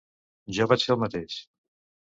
Jo vaig fer el mateix.